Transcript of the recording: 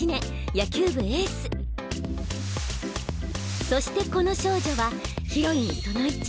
野球部エースそしてこの少女はヒロインその１。